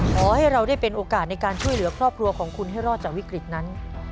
ขอให้เราได้เป็นโอกาสในการช่วยเหลือครอบครัวของคุณให้รอดจากวิกฤตนั้น